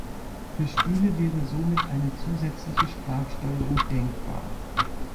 Für Spiele wäre somit eine zusätzliche Sprachsteuerung denkbar.